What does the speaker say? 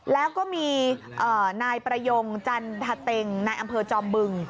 แล้วก็มีนายประยงจันทะเต็งนายอำเภอจอมบึง